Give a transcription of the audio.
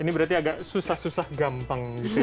ini berarti agak susah susah gampang gitu ya